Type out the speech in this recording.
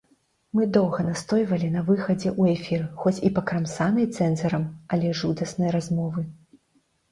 Мы доўга настойвалі на выхадзе ў эфір хоць і пакрамсанай цэнзарам, але жудаснай размовы.